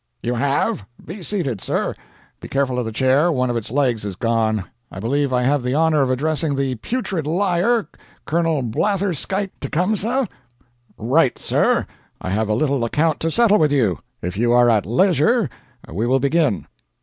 "You have. Be seated, sir. Be careful of the chair, one of its legs is gone. I believe I have the honor of addressing the putrid liar, Colonel Blatherskite Tecumseh?" "Right, Sir. I have a little account to settle with you. If you are at leisure we will begin."